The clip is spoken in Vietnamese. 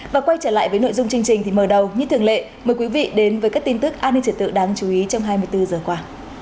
và quay trở lại với nội dung chương trình thì mở đầu như thường lệ mời quý vị đến với các tin tức an ninh trật tự đáng chú ý trong hai mươi bốn giờ qua